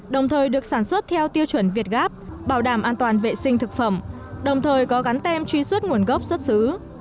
đồng thời được sản xuất theo tiêu chuẩn việt gáp bảo đảm an toàn vệ sinh thực phẩm đồng thời có gắn tem truy xuất nguồn gốc xuất xứ